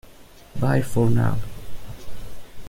Bye for now!